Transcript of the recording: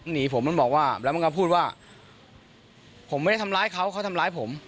หนีผมมันบอกว่าแล้วมันก็พูดว่าผมไม่ได้ทำร้ายเขาเขาทำร้ายผม